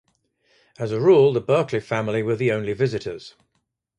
As a rule, the Berkely family were only visitors.